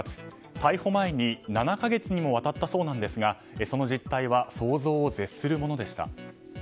逮捕前に７か月にもわたったそうなんですがその実態は想像を絶するものでした。